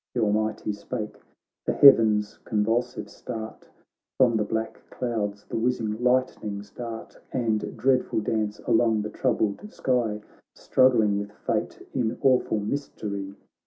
Th' Almighty spake — the heavens con vulsive start. From the black clouds the whizzing lightnings dart And dreadful dance along the troubled sky. Struggling with fate in awful mystery.